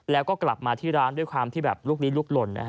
แล้วก็กลับมาที่ร้านด้วยความที่แบบลูกนี้ลุกหล่นนะฮะ